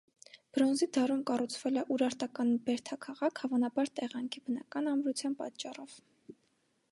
Բրոնզի դարում կառուցվել է ուրարտական բերդաքաղաք, հավանաբար տեղանքի բնական ամրության պատճառով։